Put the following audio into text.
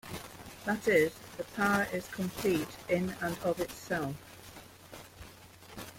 That is, the power is complete in and of itself.